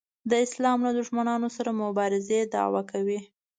د اسلام له دښمنانو سره مبارزې دعوا کوي.